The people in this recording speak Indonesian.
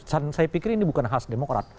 saya pikir ini bukan khas demokrat